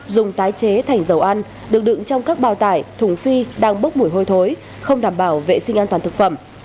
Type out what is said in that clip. dùng tái chế thành dầu ăn được đựng trong các bào tải thùng phi đang bốc mùi hôi thối không đảm bảo vệ sinh an toàn thực phẩm